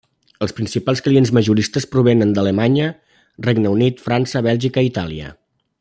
Els principals clients majoristes provenen d'Alemanya, Regne Unit, França, Bèlgica i Itàlia.